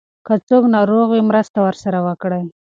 که څوک ناروغ وي مرسته ورسره وکړئ.